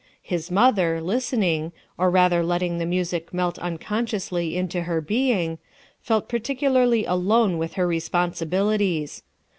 His mother, listening, or rather letting the music melt unconsciously into her being, felt peculiarly alone with her responsibilities.